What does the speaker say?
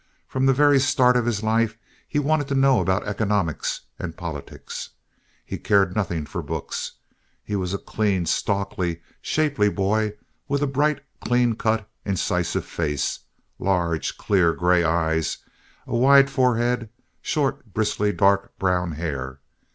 From the very start of his life, he wanted to know about economics and politics. He cared nothing for books. He was a clean, stalky, shapely boy, with a bright, clean cut, incisive face; large, clear, gray eyes; a wide forehead; short, bristly, dark brown hair.